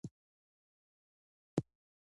د افغانستان امن او ثبات لپاره.